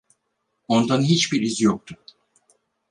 Ondan hiçbir iz yoktu.